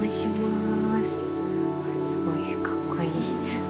すごいかっこいい。